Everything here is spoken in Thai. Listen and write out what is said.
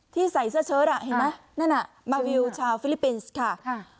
ใส่เสื้อเชิดอ่ะเห็นไหมนั่นอ่ะมาวิวชาวฟิลิปปินส์ค่ะ